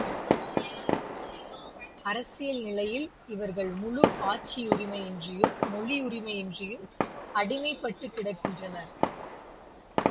அரசியல் நிலையில் இவர்கள் முழு ஆட்சியுரிமையின்றியும், மொழி உரிமையின்றியும் அடிமைப்பட்டுக் கிடக்கின்றனர்.